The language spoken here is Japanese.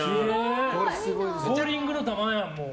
ボウリングの球やん。